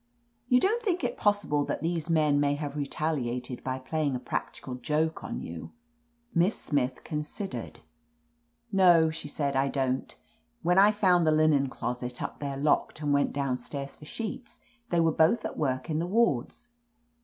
"You don't think it possible that these men may have retaliated by playing a practical joke on you ?" Miss Smith considered. "No," she said, "I don't. When I found 38 OF LETITIA CARBERRY the linen closet up there locked and went down stairs for sheets, they were both at work in the wards.